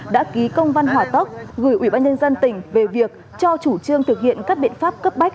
đã ký công văn hỏa tốc gửi ủy ban nhân dân tỉnh về việc cho chủ trương thực hiện các biện pháp cấp bách